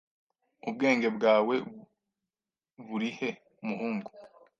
Ubwenge bwawe burihe muhungu?